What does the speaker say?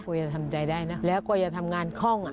ก็จะทำใจได้นะและก็จะทำงานค่อง